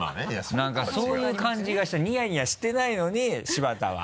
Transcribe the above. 何かそういう感じがしたニヤニヤしてないのに柴田は。